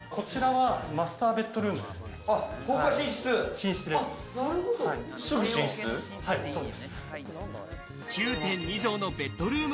こちらはマスターベッドルーム。